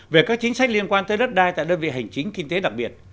về các chính sách liên quan tới đất đai tại đơn vị hành chính kinh tế đặc biệt